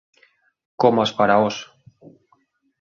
Coma aos faraóns.